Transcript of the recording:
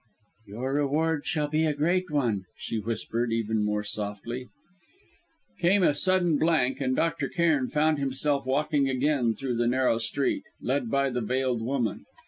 "Your reward shall be a great one," she whispered, even more softly. Came a sudden blank, and Dr. Cairn found himself walking again through the narrow street, led by the veiled woman.